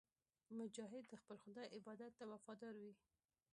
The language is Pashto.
مجاهد د خپل خدای عبادت ته وفادار وي.